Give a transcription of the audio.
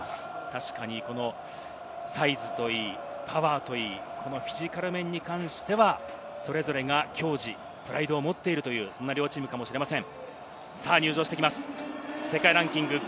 確かにサイズといい、パワーといい、フィジカル面に関しては、それぞれが矜持、プライドを持っている、そんな両チームかもしれません。